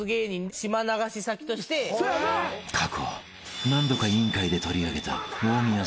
［過去何度か『委員会』で取り上げた］